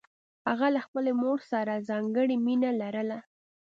هغه له خپلې مور سره ځانګړې مینه لرله